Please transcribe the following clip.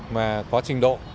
mà có trình độ